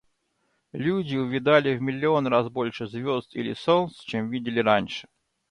Люди увидали в миллион раз больше звезд, или солнц, чем видели раньше.